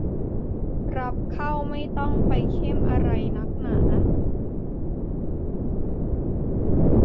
รับเข้าไม่ต้องไปเข้มอะไรนักหนา